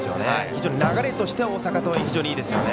非常に流れとしては大阪桐蔭、いいですよね。